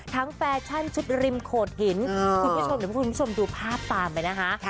แฟชั่นชุดริมโขดหินคุณผู้ชมเดี๋ยวคุณผู้ชมดูภาพตามไปนะคะ